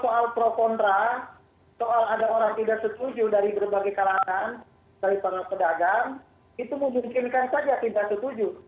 soal pro kontra soal ada orang tidak setuju dari berbagai kalangan dari para pedagang itu memungkinkan saja tidak setuju